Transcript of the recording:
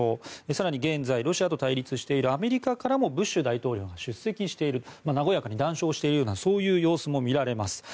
更に現在、ロシアと対立しているアメリカからもブッシュ大統領が出席している和やかに談笑しているようなそういう様子も見られます。